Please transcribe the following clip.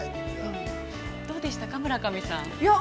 ◆どうでしたか、村上さん。